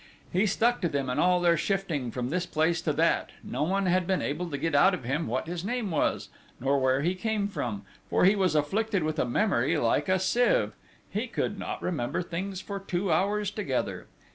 He stuck to them in all their shifting from this place to that: no one had been able to get out of him what his name was, nor where he came from, for he was afflicted with a memory like a sieve he could not remember things for two hours together.